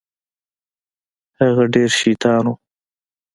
هغه ډېر شيطان و.